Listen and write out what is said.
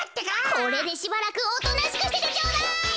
これでしばらくおとなしくしててちょうだい。